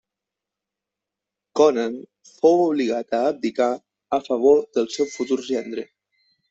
Conan fou obligat a abdicar a favor del seu futur gendre.